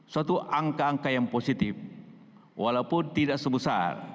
suatu angka angka yang positif walaupun tidak sebesar